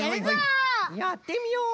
やってみよう！